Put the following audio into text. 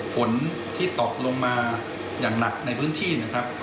ฝนที่ตกลงมาอย่างหนักในพื้นที่